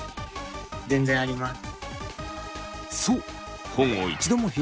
全然あります。